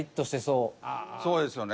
そうですよね。